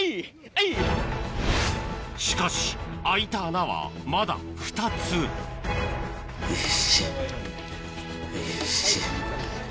しかし開いた穴はまだ２つよいしょよいしょ。